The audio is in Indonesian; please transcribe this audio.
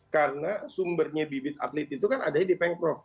karena sumbernya bibit atlet itu kan ada di peng prof